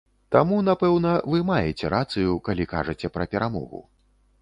Таму, напэўна, вы маеце рацыю, калі кажаце пра перамогу.